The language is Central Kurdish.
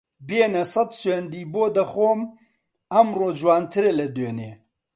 بێنە سەد سوێندی بۆ بخۆم ئەمڕۆ جوانترە لە دوێنێ